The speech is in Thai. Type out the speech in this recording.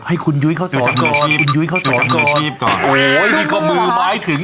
นี่นะครับ